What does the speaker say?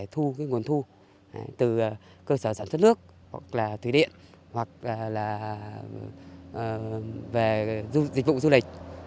thu cái nguồn thu từ cơ sở sản xuất nước hoặc là thủy điện hoặc là về dịch vụ du lịch